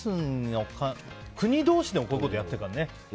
国同士でもこういうことやってるからね。